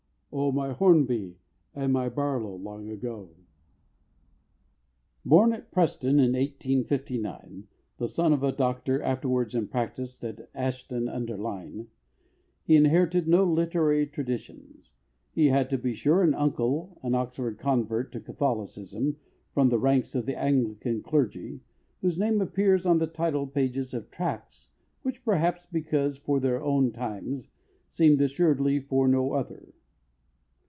O my Hornby and my Barlow long ago! Born at Preston in 1859, the son of a doctor afterwards in practice at Ashton under Lyne, he inherited no literary traditions. He had, to be sure, an uncle, an Oxford convert to Catholicism from the ranks of the Anglican clergy, whose name appears on the title page of Tracts which, perhaps because for their own Times, seem assuredly for no other.